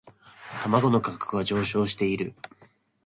卵の価格は上昇している